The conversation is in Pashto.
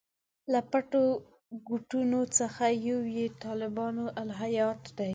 له پټو ګوټونو څخه یو یې طالبانو الهیات دي.